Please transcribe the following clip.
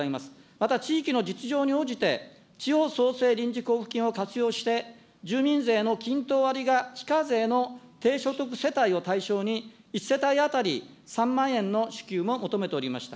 また、地域の実情に応じて、地方創生臨時交付金を活用して、住民税の均等割りが非課税の低所得世帯を対象に、１世帯当たり３万円の支給も求めておりました。